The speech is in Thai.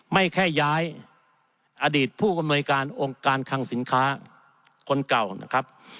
ไม่แค่ย้ายอดีตผู้อำนวยการองค์การคังสินค้าคนเก่านะครับ